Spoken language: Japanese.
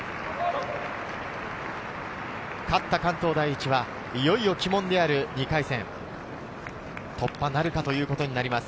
勝った関東第一はいよいよ鬼門である２回戦突破なるかということになります。